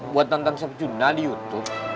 buat nonton siap juna di youtube